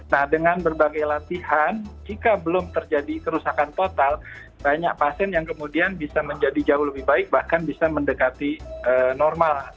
nah dengan berbagai latihan jika belum terjadi kerusakan total banyak pasien yang kemudian bisa menjadi jauh lebih baik bahkan bisa mendekati normal